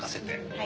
はい。